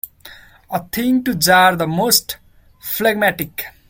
A thing to jar the most phlegmatic.